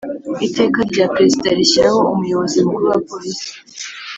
Iteka rya Perezida rishyiraho Umuyobozi Mukuru wa police